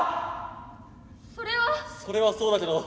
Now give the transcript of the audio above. それは。それはそうだけど。